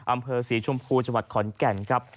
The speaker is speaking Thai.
อำเภอศรีชมพูจังหวัดขอนแก่นครับ